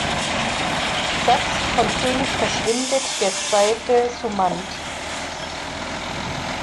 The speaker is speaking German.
Satz von König verschwindet der zweite Summand.